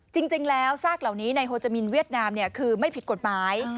จริงแล้วซากเหล่านี้ในโฮจามินเวียดนามคือไม่ผิดกฎหมาย